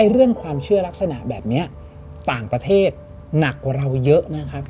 เรื่องความเชื่อลักษณะแบบนี้ต่างประเทศหนักกว่าเราเยอะนะครับ